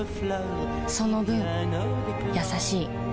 その分優しい